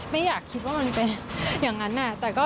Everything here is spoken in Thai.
ไม่อยากคิดว่ามันเป็นอย่างนั้น